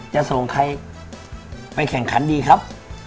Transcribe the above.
จะส่งใครไปแข่งขันดีครับ